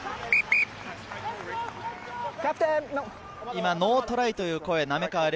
今、ノートライという声。